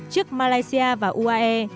trước malaysia và uae